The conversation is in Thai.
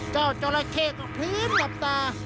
เจ้าจอละเข้ก็พรี๊มหลบตา